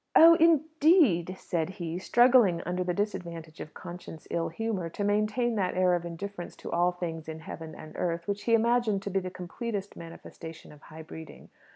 "Oh, indeed!" said he, struggling, under the disadvantage of conscious ill humour, to maintain that air of indifference to all things in heaven and earth which he imagined to be the completest manifestation of high breeding.